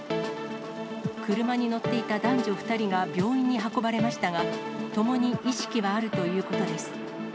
車に乗っていた男女２人が病院に運ばれましたが、ともに意識はあるということです。